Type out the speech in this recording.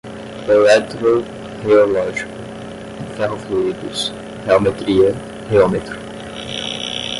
eletroreológico, ferrofluidos, reometria, reômetro